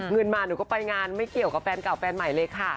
เงินมาหนูก็ไปงานไม่เกี่ยวกับแฟนเก่าแฟนใหม่เลยค่ะ